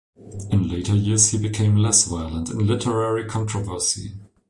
In his later years he became less violent in literary controversy.